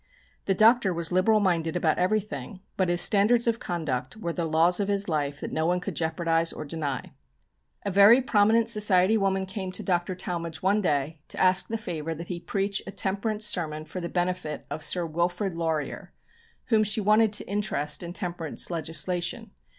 The Doctor was liberal minded about everything, but his standards of conduct were the laws of his life that no one could jeopardise or deny. A very prominent society woman came to Dr. Talmage one day to ask the favour that he preach a temperance sermon for the benefit of Sir Wilfrid Laurier, whom she wanted to interest in temperance legislation.